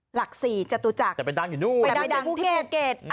หลักสี่จตุจักรแต่ไปดังอยู่นู่นแต่ไปดังที่ภูเก็ต